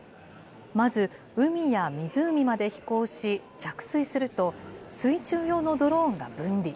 まず、海や湖まで飛行し、着水すると、水中用のドローンが分離。